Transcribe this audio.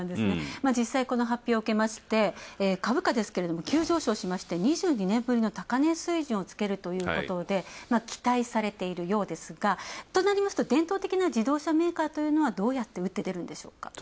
実際この発表を受けまして株価ですけれども急上昇して２２年ぶりの高値水準をつけるということで期待されているようですがとなりますと伝統的な自動車メーカーというのはどうやって打って出ますか。